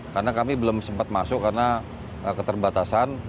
karena kami belum sempat masuk karena keterbatasan